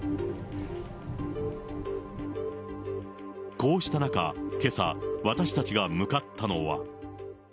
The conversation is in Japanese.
こうした中、けさ、私たちが向かったのは。